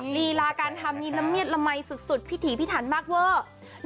ลีลาการทำนี่ละเมียดละมัยสุดพิถีพิถันมากเวอร์